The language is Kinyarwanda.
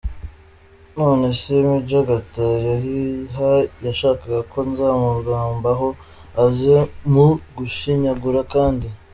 None se Major Gatarayiha yashakaga ko Nzamurambaho aza mu gushyingura kandi.